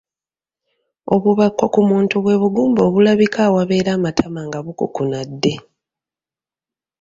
Obubakko ku muntu bwe bugumba obulabika awabeera amatama nga bukukunadde.